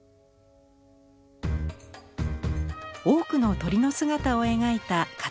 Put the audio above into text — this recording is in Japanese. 多くの鳥の姿を描いた飾北斎。